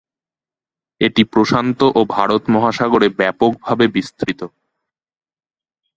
এটি প্রশান্ত ও ভারত মহাসাগরে ব্যাপকভাবে বিস্তৃত।